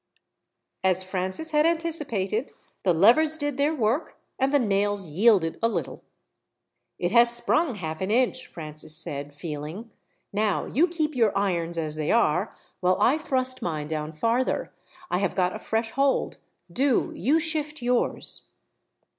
As Francis had anticipated, the levers did their work, and the nails yielded a little. "It has sprung half an inch," Francis said, feeling. "Now you keep your irons as they are, while I thrust mine down farther. I have got a fresh hold. Do you shift yours."